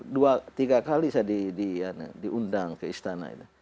dua atau tiga kali saya diundang ke istana